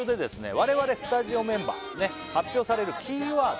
我々スタジオメンバーね発表されるキーワード